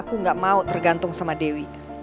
aku gak mau tergantung sama dewi